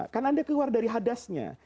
karena anda keluar dari hadasnya